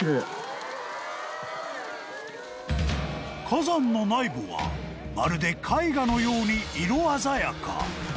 ［火山の内部はまるで絵画のように色鮮やか］